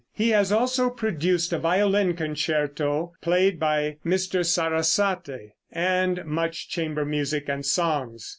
He has also produced a violin concerto (played by Mr. Sarasate), and much chamber music and songs.